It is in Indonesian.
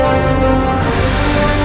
percaya dengan bangsa kami